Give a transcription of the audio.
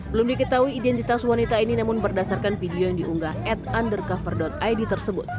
belum diketahui identitas wanita ini namun berdasarkan video yang diunggah at undercover id tersebut